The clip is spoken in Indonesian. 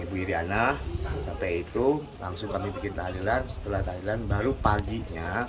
ibu iryana sampai itu langsung kami bikin thailand setelah thailand baru paginya